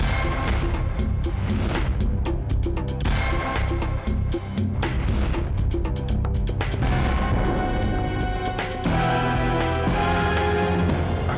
aku harus menunggu dia